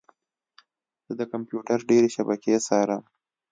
زه د کمپیوټر ډیرې شبکې څارم.